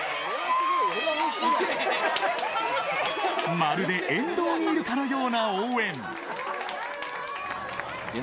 まるで沿道にいるかのような応援。